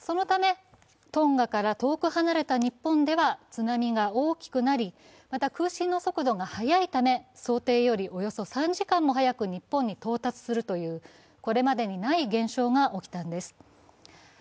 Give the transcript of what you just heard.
そのためトンガから遠く離れた日本では、津波が大きくなり、また、空振の速度が速いため想定よりおよそ３時間も早く日本に到達するというこれまでにない現象が起きたんです。